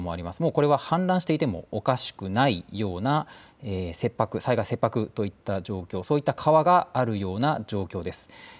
これは氾濫していてもおかしくないような災害切迫といった状況そういった川があるような状況です。